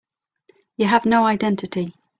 You have no identity.